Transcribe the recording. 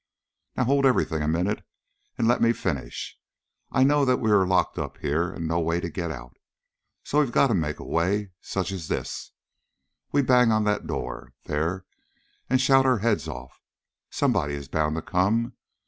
Now, hold everything a minute, and let me finish. I know that we are locked up here, and no way to get out. So we've got to make a way, such as this. We bang on that door, there, and shout our heads off. Somebody is bound to come.